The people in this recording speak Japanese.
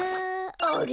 あれ？